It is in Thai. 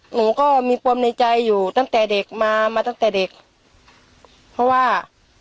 หนูก็มีปมในใจอยู่ตั้งแต่เด็กมามาตั้งแต่เด็กเพราะว่า